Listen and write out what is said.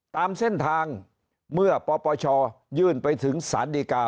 ตามเส้นทางเมื่อปปชยื่นไปถึงสารดีกา